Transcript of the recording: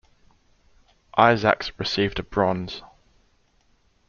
Isaacs received a bronze.